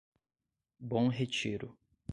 Bom Retiro